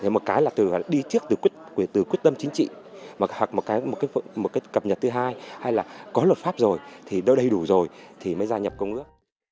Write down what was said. một cái là từ đi trước từ quyết tâm chính trị hoặc một cái cập nhật thứ hai hay là có luật pháp rồi thì đâu đầy đủ rồi thì mới gia nhập công ước